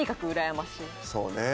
そうね。